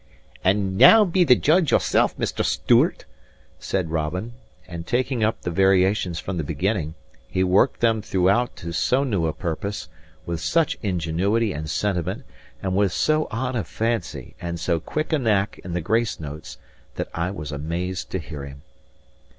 "And now be the judge yourself, Mr. Stewart," said Robin; and taking up the variations from the beginning, he worked them throughout to so new a purpose, with such ingenuity and sentiment, and with so odd a fancy and so quick a knack in the grace notes, that I was amazed to hear him.